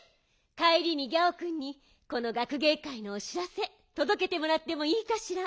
かえりにギャオくんにこのがくげいかいのおしらせとどけてもらってもいいかしら？